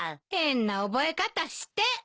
変な覚え方して。